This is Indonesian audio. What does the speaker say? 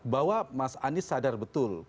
bahwa mas anies sadar betul